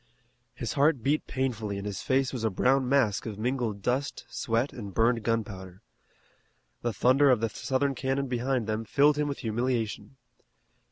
His heart beat painfully and his face was a brown mask of mingled dust, sweat, and burned gunpowder. The thunder of the Southern cannon behind them filled him with humiliation.